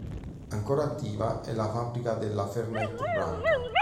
Ancora attiva è la fabbrica della Fernet Branca.